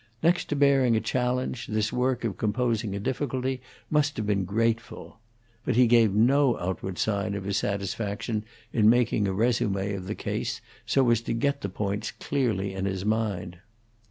Next to bearing a challenge, this work of composing a difficulty must have been grateful. But he gave no outward sign of his satisfaction in making a resume of the case so as to get the points clearly in his mind.